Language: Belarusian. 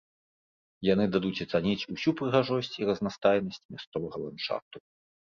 Яны дадуць ацаніць усю прыгажосць і разнастайнасць мясцовага ландшафту.